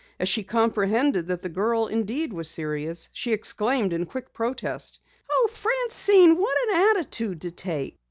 As she comprehended that the girl indeed was serious, she exclaimed in quick protest: "Oh, Francine, what an attitude to take!